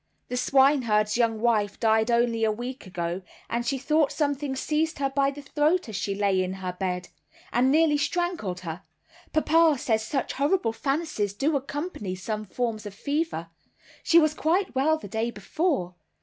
"The swineherd's young wife died only a week ago, and she thought something seized her by the throat as she lay in her bed, and nearly strangled her. Papa says such horrible fancies do accompany some forms of fever. She was quite well the day before.